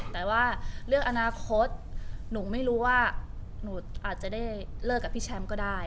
แต่ว่าเรื่องอนาคตหนูไม่รู้ว่าหนูอาจจะได้เลิกกับพี่แชมป์ก็ได้